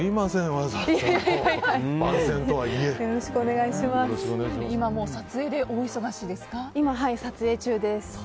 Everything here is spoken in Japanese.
はい、今、撮影中です。